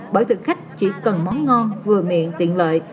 bởi thực khách chỉ cần món ngon vừa miệng tiện lợi